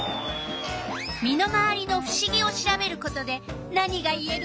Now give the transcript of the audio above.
身の回りのふしぎを調べることで何がいえる？